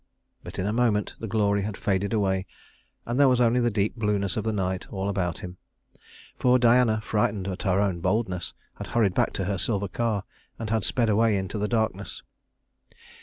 But in a moment the glory had faded away, and there was only the deep blueness of the night all about him; for Diana, frightened at her own boldness, had hurried back to her silver car and had sped away into the darkness.